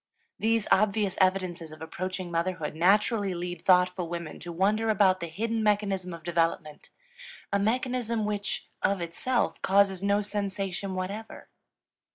These obvious evidences of approaching motherhood naturally lead thoughtful women to wonder about the hidden mechanism of development, a mechanism which, of itself, causes no sensation whatever.